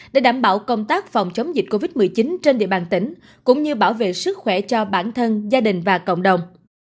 để đảm bảo công tác phòng chống dịch covid một mươi chín trên địa bàn tỉnh cũng như bảo vệ sức khỏe cho bản thân gia đình và cộng đồng